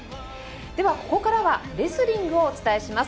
ではここからはレスリングをお伝えします。